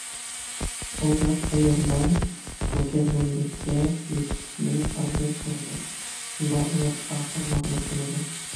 ئۇنداق ئاياللار مۇكەممەللىككە يېتىشىنى ئارزۇ قىلىدۇ، ئەمما ئۇلار ئاخىر مەغلۇپ بولىدۇ.